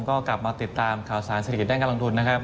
ก็กลับมาติดตามข่าวสารสถิตรแดงการลงทุนนะครับ